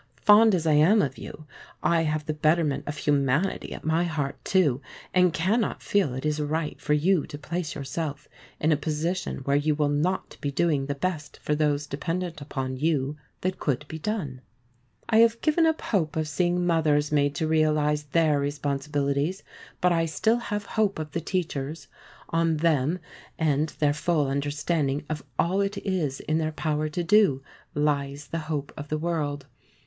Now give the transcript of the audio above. Fond as I am of you, I have the betterment of humanity at my heart, too, and cannot feel it is right for you to place yourself in a position where you will not be doing the best for those dependent upon you that could be done. I have given up hope of seeing mothers made to realize their responsibilities. But I still have hope of the teachers. On them and their full understanding of all it is in their power to do, lies the hope of the world.